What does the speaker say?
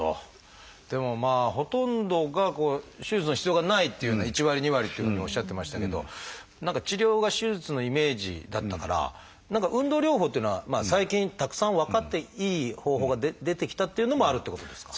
でもほとんどが手術の必要がないっていうふうな１割２割っていうふうにおっしゃってましたけど何か治療が手術のイメージだったから何か運動療法っていうのは最近たくさん分かっていい方法が出てきたっていうのもあるっていうことですか？